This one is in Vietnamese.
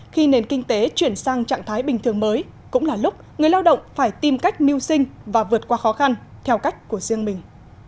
khi nền kinh tế chuyển sang trạng thái bình thường mới cũng là lúc người lao động phải tìm cách mưu sinh và vượt qua khó khăn theo cách của riêng mình